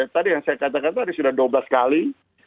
tadi yang saya katakan tadi sudah dua belas kali